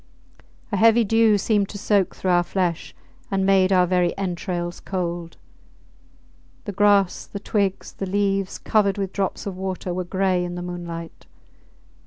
A heavy dew seemed to soak through our flesh and made our very entrails cold. The grass, the twigs, the leaves, covered with drops of water, were gray in the moonlight.